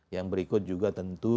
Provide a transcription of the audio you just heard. yang berikut juga tentu